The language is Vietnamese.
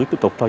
tiếp tục thôi